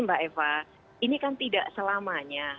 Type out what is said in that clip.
mbak eva ini kan tidak selamanya